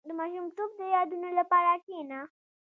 • د ماشومتوب د یادونو لپاره کښېنه.